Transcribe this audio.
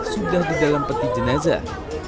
sudah di dalam peti jenazah